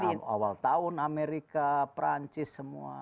karena awal tahun amerika perancis semua